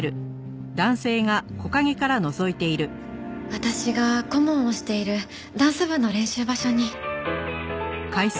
私が顧問をしているダンス部の練習場所に。